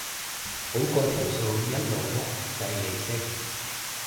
好過條數一路碌計利息